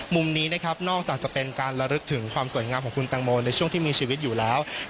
มุมนี้นะครับนอกจากจะเป็นการระลึกถึงความสวยงามของคุณตังโมในช่วงที่มีชีวิตอยู่แล้ว